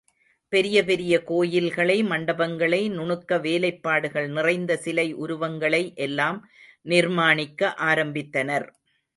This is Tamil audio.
பெரிய பெரிய கோயில்களை, மண்டபங்களை, நுணுக்க வேலைப்பாடுகள் நிறைந்த சிலை உருவங்களை எல்லாம் நிர்மாணிக்க ஆரம்பித்தனர்.